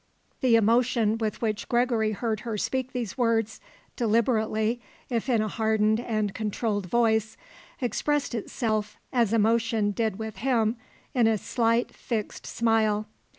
The emotion with which Gregory heard her speak these words, deliberately, if in a hardened and controlled voice, expressed itself, as emotion did with him, in a slight, fixed smile.